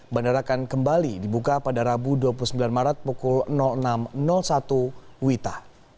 bandara akan kembali dibuka pada rabu dua puluh sembilan maret pukul enam satu wita